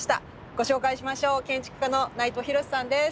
ご紹介しましょう建築家の内藤廣さんです。